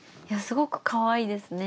すごくかわいいですね。